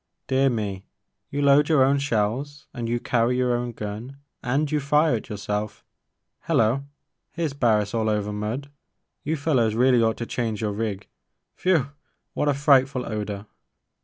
Dear me! You load your own shells and you carry your own gun and you fire it yourself — ^liello ! here 's Barris all over mud. You fellows really ought to change your rig — whew ! what a frightful odor